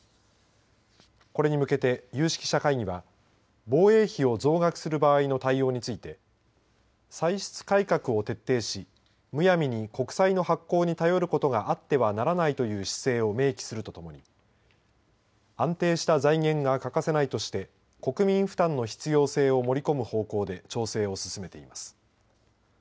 これに向けて有識者会議は防衛費を増額する場合の対応について歳出改革を徹底しむやみに国債の発行に頼ることがあってはならないという姿勢を明記するとともに安定した財源が欠かせないとして国民負担の必要性を盛り込む方向で調整を進めています。